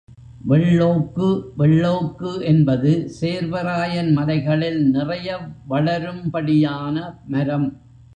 வெள்ளோக்கு வெள்ளோக்கு என்பது சேர்வராயன் மலைகளில் நிறைய வளரும்படியான மரம்.